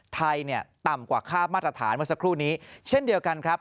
ไทยเนี่ยต่ำกว่าค่ามาตรฐานเมื่อสักครู่นี้เช่นเดียวกันครับ